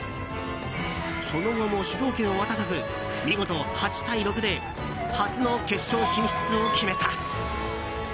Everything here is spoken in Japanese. その後も主導権を渡さず見事、８対６で初の決勝進出を決めた。